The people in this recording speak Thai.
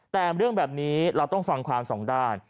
แต่เรื่องแบบนี้เราต้องฟังความสองด้าน